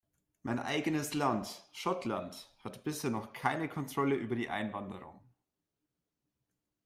Mein eigenes Land, Schottland, hat bisher noch keine Kontrolle über die Einwanderung.